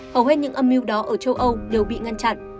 hầu hết những âm mưu đó ở châu âu đều bị ngăn chặn